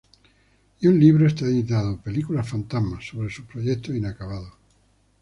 Y un libro está editado, "Películas Fantasmas", sobre sus proyectos inacabados.